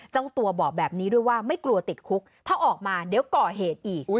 เจ้าตัวบอกแบบนี้ด้วยว่าไม่กลัวติดคุกถ้าออกมาเดี๋ยวก่อเหตุอีก